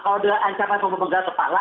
kalau ada ancaman pembebelan kepala